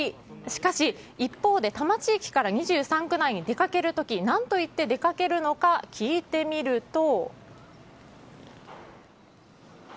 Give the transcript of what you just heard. しかし一方で多摩地域から２３区内に出かける時何と言って出かけるのか聞いてみると。